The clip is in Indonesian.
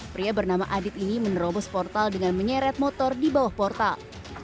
pria bernama adit ini menerobos portal dengan menyeret motor di bawah portal